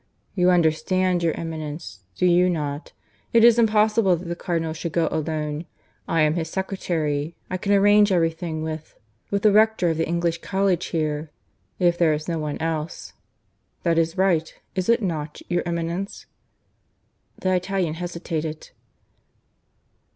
"You understand, your Eminence, do you not? It is impossible that the Cardinal should go alone. I am his secretary. I can arrange everything with ... with the Rector of the English College here, if there is no one else. That is right, is it not, your Eminence?" The Italian hesitated.